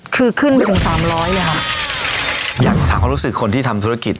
คือขึ้นไปถึงสามร้อยเลยครับอยากถามความรู้สึกคนที่ทำธุรกิจ